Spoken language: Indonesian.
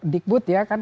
dikbud ya kan